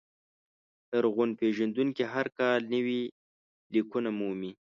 لرغون پېژندونکي هر کال نوي لیکونه مومي.